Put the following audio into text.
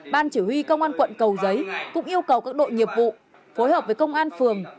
ban chỉ huy công an quận cầu giấy cũng yêu cầu các đội nghiệp vụ phối hợp với công an phường